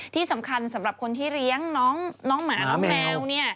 ที่สำคัญสำหรับคนที่เลี้ยงน้องหมาน้องแมว